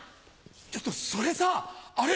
ちょっとそれさあれ？